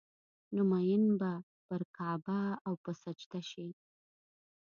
نو مين به پر کعبه او په سجده شي